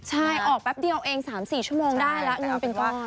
ใช่ออกแป๊บเดียวเอง๓๔ชั่วโมงได้แล้วเงินเป็นก้อน